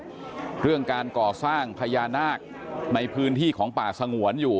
เรื่องการก่อสร้างพญานาคในพื้นที่ของป่าสงวนอยู่